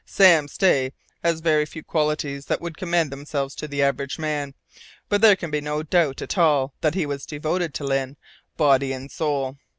"Sam Stay has very few qualities that would commend themselves to the average man, but there can be no doubt at all that he was devoted to Lyne, body and soul.